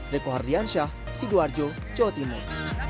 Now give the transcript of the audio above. deko hardiansyah sidoarjo jawa timur